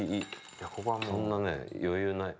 そんなね余裕ない。